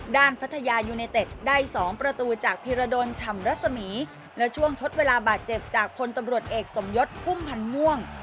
พัทยายูเนเต็ดได้๒ประตูจากพิรดลฉ่ำรัศมีและช่วงทดเวลาบาดเจ็บจากพลตำรวจเอกสมยศพุ่มพันธ์ม่วง